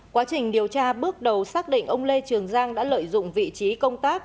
quá trình điều tra bước đầu xác định ông lê trường giang đã lợi dụng vị trí công tác